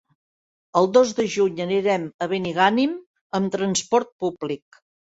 El dos de juny anirem a Benigànim amb transport públic.